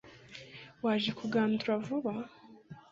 waje kugandura vuba